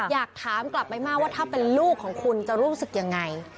อยากถามกลับไปมากว่าถ้าเป็นลูกของคุณจะรู้สึกยังไง